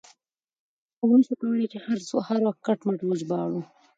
موږ نه شو کولای هر څه کټ مټ وژباړو.